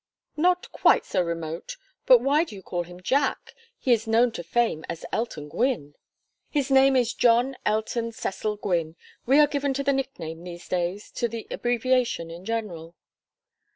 "Not quite so remote. But why do you call him Jack? He is known to fame as Elton Gwynne." "His name is John Elton Cecil Gwynne. We are given to the nickname these days to the abbreviation in general."